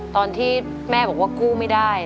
ตอนที่แม่บอกว่ากู้ไม่ได้